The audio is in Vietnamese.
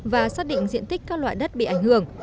và xác định diện tích các loại đất bị ảnh hưởng